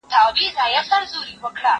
کېدای سي تکړښت ستونزي ولري؟